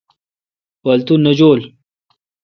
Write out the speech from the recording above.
پاتو نہ جولو۔